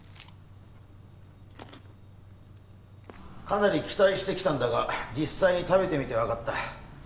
かなり期待してきたんだが実際に食べてみてわかった。